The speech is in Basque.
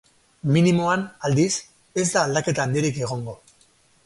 Minimoan, aldiz, ez da aldaketa handirik egongo.